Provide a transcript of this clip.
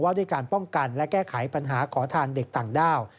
ด้วยการป้องกันและแก้ไขปัญหาขอทานเด็กต่างด้าว